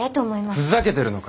ふざけてるのか。